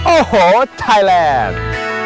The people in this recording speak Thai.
โอ้โหไทยแลนด์